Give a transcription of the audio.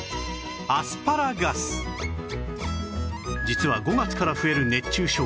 実は５月から増える熱中症